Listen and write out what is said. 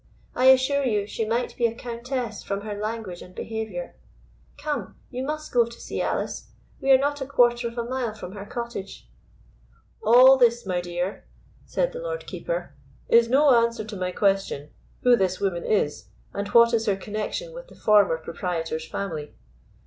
I assure you, she might be a countess from her language and behaviour. Come, you must go to see Alice; we are not a quarter of a mile from her cottage." "All this, my dear," said the Lord Keeper, "is no answer to my question, who this woman is, and what is her connexion with the former proprietor's family?"